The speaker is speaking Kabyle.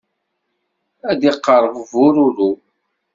ad d-iqerreb bururu.